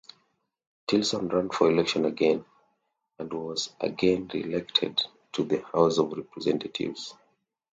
Tilson ran for election again, and was again reelected to the House of Representatives.